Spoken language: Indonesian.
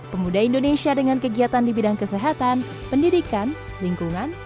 pemuda indonesia dengan kegiatan di bidang kesehatan pendidikan lingkungan